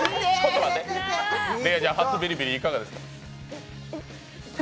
れいあちゃ、初ビリビリ、いかがですか？